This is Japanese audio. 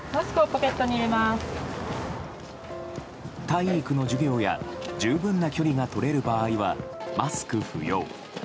体育の授業や十分な距離が取れる場合はマスク不要。